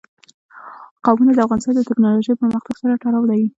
قومونه د افغانستان د تکنالوژۍ پرمختګ سره تړاو لري.